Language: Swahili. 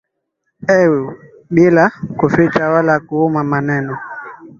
eu bila kuficha wala kuuma maneno